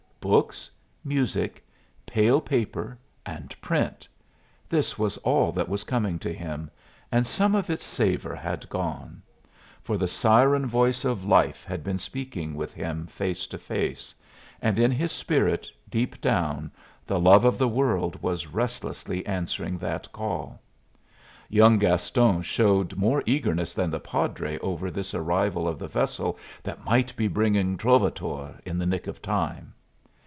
Books, music, pale paper, and print this was all that was coming to him, and some of its savor had gone; for the siren voice of life had been speaking with him face to face, and in his spirit, deep down, the love of the world was restlessly answering that call. Young Gaston showed more eagerness than the padre over this arrival of the vessel that might be bringing "Trovatore" in the nick of time.